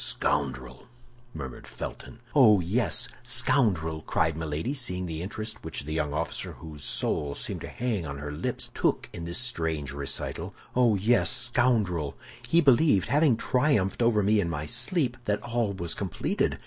"Scoundrel!" murmured Felton. "Oh, yes, scoundrel!" cried Milady, seeing the interest which the young officer, whose soul seemed to hang on her lips, took in this strange recital. "Oh, yes, scoundrel! He believed, having triumphed over me in my sleep, that all was completed.